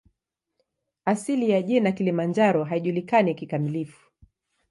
Asili ya jina "Kilimanjaro" haijulikani kikamilifu.